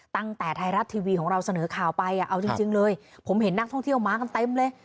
ตั้งแต่ไทยรัฐทีวีของเราเสนอข่าวไปเอาจริงเลยผมเห็นนักท่องเที่ยวมากันเต็มเลย